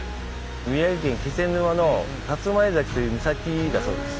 宮城県気仙沼の龍舞崎という岬だそうです。